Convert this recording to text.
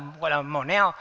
gọi là mỏ neo